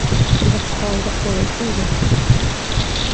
It was called the Four Seasons.